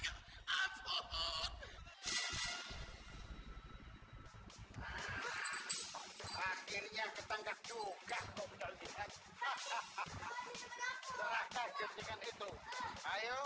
akhirnya ketangkap juga kau bisa lihat hahaha serakah jadikan itu ayo